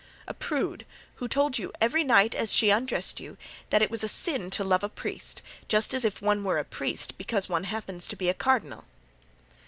"A prude, who told you every night, as she undressed you, that it was a sin to love a priest, just as if one were a priest because one happens to be a cardinal."